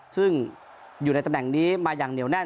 ซึ่งอยู่ในตำแหน่งนี้มาอย่างเหนียวแน่น